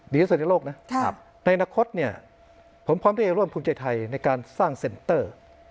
ที่สุดในโลกนะในอนาคตเนี่ยผมพร้อมที่จะร่วมภูมิใจไทยในการสร้างเซ็นเตอร์